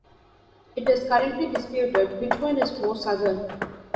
It is currently disputed which one is more southern.